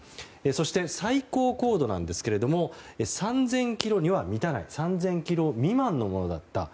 そして、最高高度ですが３０００ｋｍには満たない３０００ｋｍ未満のものだった。